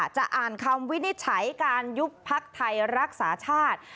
จะอ่านคำวินิจฉัยการยุบพักไทยรักษาชาติ